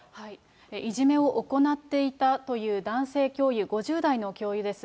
いじめを行っていたという男性教諭、５０代の教諭です。